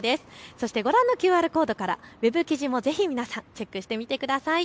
そしてご覧のＱＲコードからウェブ記事もぜひ皆さんチェックしてみてください。